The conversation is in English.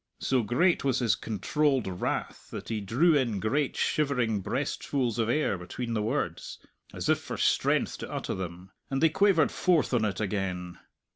So great was his controlled wrath that he drew in great, shivering breastfuls of air between the words, as if for strength to utter them; and they quavered forth on it again.